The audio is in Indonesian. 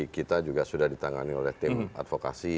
kita juga sudah ditangani oleh tim advokasi